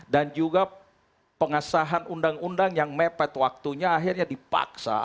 dan juga pengesahan undang undang yang mepet waktunya akhirnya dipaksa